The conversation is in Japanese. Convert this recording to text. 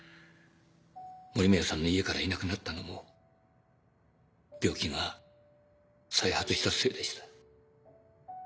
森宮さんの家からいなくなったのも病気が再発したせいでした。